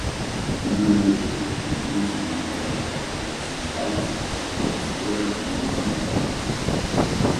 Una noia jove amb una samarreta groga i texans blaus salta per sobre d'un con taronja.